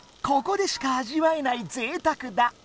ここでしか味わえないぜいたくだ。